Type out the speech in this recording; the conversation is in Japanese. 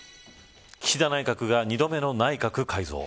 岸田内閣が２度目の内閣改造。